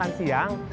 mau makan siang